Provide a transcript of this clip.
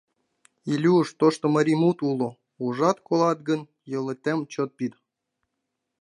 Илюш, тошто марий мут уло: «Ужат-колат гын, йолетым чот пид!»